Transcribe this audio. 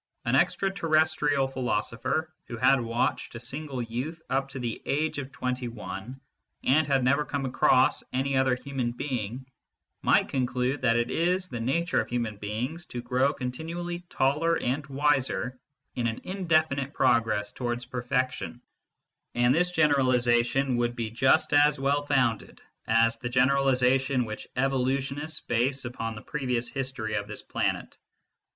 An extra terrestrial philosopher, who had watched a single youth up to the age of twenty one and had never come across any other human being, might conclude that it is the nature of human beings to grow continually taller and wiser in an indefinite progress towards per fection ; and this generalisation would be just as well founded as the generalisation which evolutionists base upon the previous history of this planet.